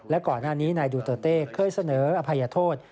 และก่อนหน้านี้นายดูเตอร์เต้เคยเสนออภัยโทษ